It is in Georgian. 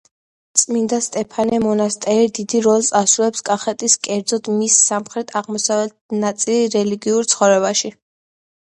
წმინდა სტეფანეს მონასტერი დიდ როლს ასრულებდა კახეთის, კერძოდ, მის სამხრეთ-აღმოსავლეთი ნაწილის რელიგიურ ცხოვრებაში.